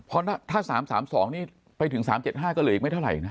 เพราะถ้า๓๓๒นี่ไปถึง๓๗๕ก็เหลืออีกไม่เท่าไหร่นะ